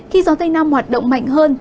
khi gió tây nam hoạt động mạnh hơn